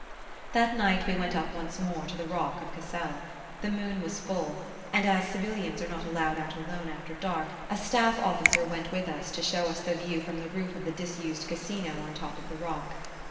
That night we went up once more to the rock of Cassel. The moon was full, and as civilians are not allowed out alone after dark a staff officer went with us to show us the view from the roof of the disused Casino on top of the rock.